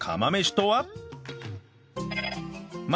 とは？